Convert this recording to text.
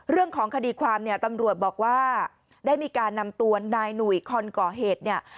เรื่องของคดีความเนี่ยตำรวจบอกว่าได้มีการนำตัวนายหนุ่ยคนก่อเหตุเนี่ย